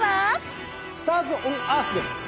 スターズオンアースです！